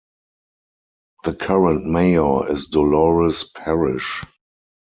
The current Mayor is Dolores Parrish.